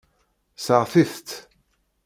Seɣtit-t.